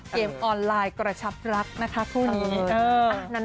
เกมออนไลน์กระชับรักนะคะทุนนี้